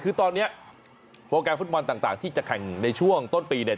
คือตอนนี้โปรแกรมฟุตบอลต่างที่จะแข่งในช่วงต้นปีเนี่ย